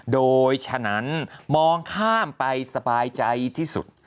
โดยฉะนั้นมองข้ามไปสบายใจที่สุด